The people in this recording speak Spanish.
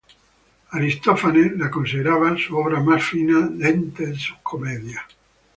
Aristófanes la consideraba su obra más fina de entre sus comedias.